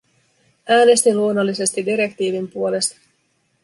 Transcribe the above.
Äänestin luonnollisesti direktiivin puolesta.